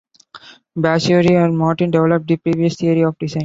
Bassiouny and Martin developed the previous theory of design.